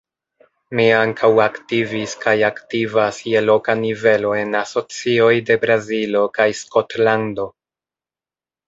Mi ankaŭ aktivis kaj aktivas je loka nivelo en asocioj de Brazilo kaj Skotlando.